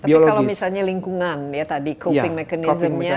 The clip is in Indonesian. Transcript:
tapi kalau misalnya lingkungan ya tadi coping mechanism nya